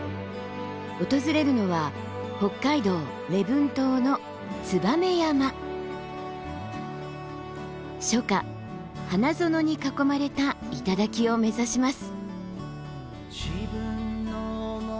訪れるのは北海道初夏花園に囲まれた頂を目指します。